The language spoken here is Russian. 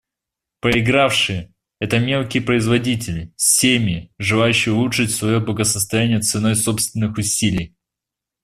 Проигравшие — это мелкие производители, семьи, желающие улучшить свое благосостояние ценой собственных усилий.